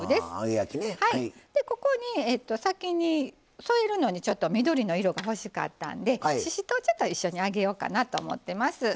ここに先に添えるのにちょっと緑の色が欲しかったんでししとうをちょっと一緒に揚げようかなと思ってます。